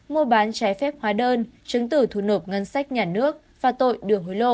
mua bán trái phép hóa đơn chứng tử thu nộp ngân sách nhà nước phạt tội đưa hối lộ